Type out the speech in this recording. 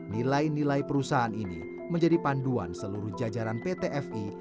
nilai nilai perusahaan ini menjadi panduan seluruh jajaran pt fi